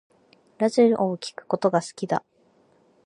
ラジオを聴くことが好きだ